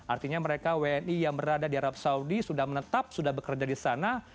artinya mereka wni yang berada di arab saudi sudah menetap sudah bekerja di sana